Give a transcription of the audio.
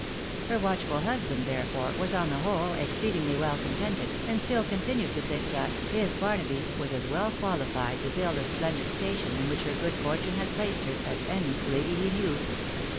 Her watchful husband, therefore, was, on the whole, exceedingly well contented, and stiU continued to think that "his Barnaby" was as well qualified to fill the splendid station in which her good fortune had placed her, as any lady he knew.